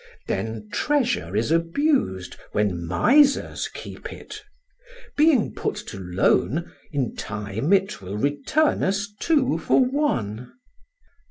Then treasure is abus'd, When misers keep it: being put to loan, In time it will return us two for one.